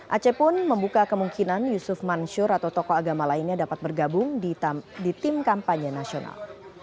aceh pun membuka kemungkinan yusuf mansur atau tokoh agama lainnya dapat bergabung di tim kampanye nasional